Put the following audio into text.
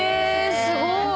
すごい。